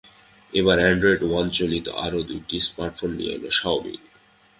এবার অ্যান্ড্রয়েড ওয়ানচালিত আরও দুটি স্মার্টফোন নিয়ে এল শাওমি।